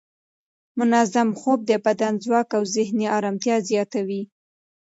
منظم خوب د بدن ځواک او ذهني ارامتیا زیاتوي.